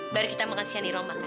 baru kita makan siang di roma kan